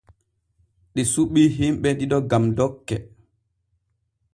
Ɗi suɓii himbe ɗiɗo gam dokke.